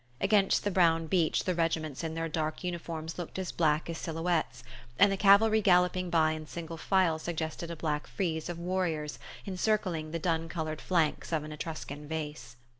Against the brown beach the regiments in their dark uniforms looked as black as silhouettes; and the cavalry galloping by in single file suggested a black frieze of warriors encircling the dun coloured flanks of an Etruscan vase.